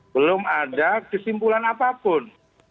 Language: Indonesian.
belum ada kesimpulan apapun